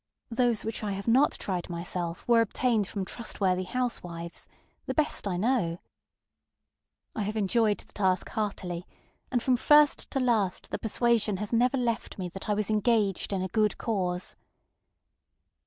Those which I have not tried myself were obtained from trustworthy housewivesŌĆöthe best I know. I have enjoyed the task heartily, and from first to last the persuasion has never left me that I was engaged in a good cause.